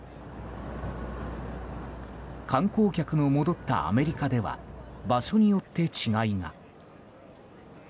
観光客の戻ったアメリカでは場所によって違いが。